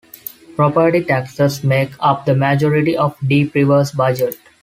Property taxes make up the majority of Deep River's budget.